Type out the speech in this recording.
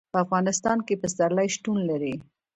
په افغانستان کې پسرلی شتون لري.